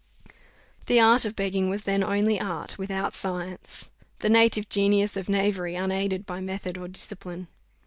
The art of begging was then only art without science: the native genius of knavery unaided by method or discipline.